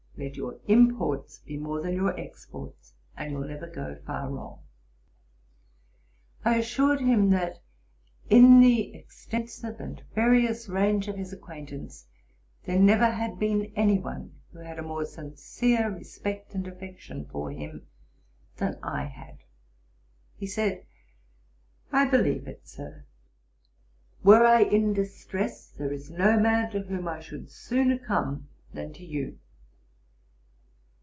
Let your imports be more than your exports, and you'll never go far wrong.' I assured him, that in the extensive and various range of his acquaintance there never had been any one who had a more sincere respect and affection for him than I had. He said, 'I believe it, Sir. Were I in distress, there is no man to whom I should sooner come than to you.